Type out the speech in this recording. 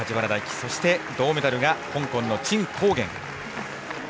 そして、銅メダルが香港の陳浩源。